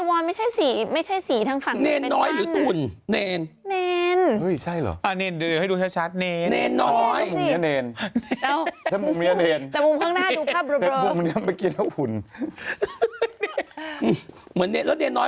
ก็อาจจะเป็นที่นั่งตรงนั้นเท่คนี้